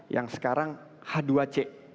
yang sekarang h dua c